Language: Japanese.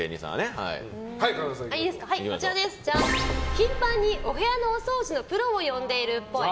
頻繁にお部屋のお掃除のプロを呼んでいるっぽい。